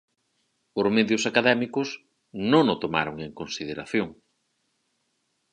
Os medios académicos non o tomaron en consideración.